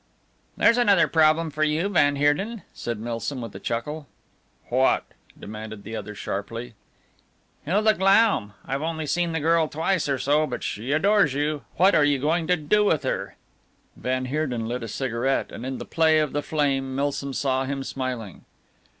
"There's another problem for you, van Heerden," said Milsom with a chuckle. "What?" demanded the other sharply. "Hilda Glaum. I've only seen the girl twice or so, but she adores you. What are you going to do with her?" Van Heerden lit a cigarette, and in the play of the flame Milsom saw him smiling.